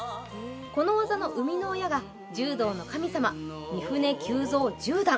この技の生みの親が柔道の神様、三船久蔵十段。